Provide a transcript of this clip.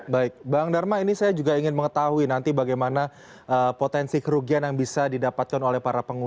baik bang dharma ini saya juga ingin mengetahui nanti bagaimana potensi kerugian yang bisa didapatkan oleh para pengguna